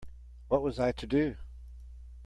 What was I to do?